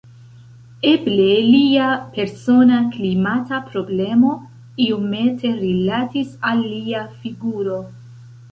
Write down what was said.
Eble lia persona klimata problemo iomete rilatis al lia figuro.